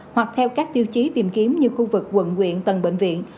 hoặc theo các tiêu chí tìm kiếm như khu vực quận quyện tầng bệnh viện